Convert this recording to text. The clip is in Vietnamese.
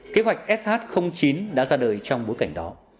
kế hoạch sh chín đã ra đời trong bối cảnh đó